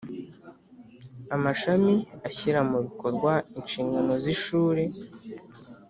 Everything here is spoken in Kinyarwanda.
Amashami ashyira mu bikorwa inshingano z Ishuri